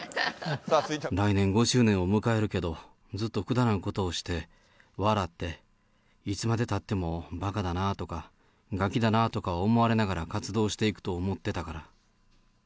来年５周年を迎えるけど、ずっとくだらんことをして、笑って、いつまでたっても、ばかだなとか、がきだなとか思われながら活動していくと思ってたから。